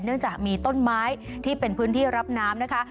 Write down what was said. เนื่องจากมีต้นไม้ที่เป็นพื้นที่รับน้ำนะคะ